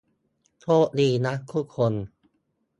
โชคดีนะทุกคน